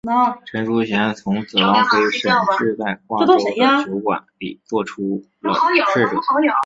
陈叔贤从此王妃沈氏在瓜州的酒馆里做了侍者。